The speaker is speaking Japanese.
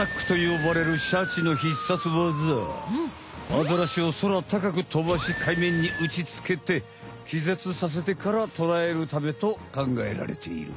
アザラシを空たかく飛ばしかいめんにうちつけて気絶させてから捕らえるためとかんがえられている。